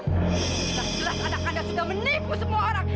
sudah jelas anak anak sudah menipu semua orang